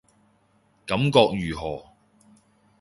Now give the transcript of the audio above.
感覺如何